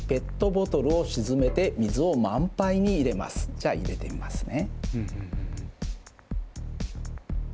じゃあ入れてみますね。